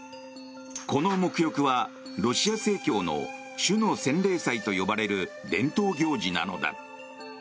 この沐浴はロシア正教の主の洗礼祭と呼ばれる伝統行事なのだ。